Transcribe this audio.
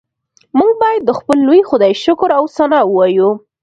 موږ باید د خپل لوی خدای شکر او ثنا ووایو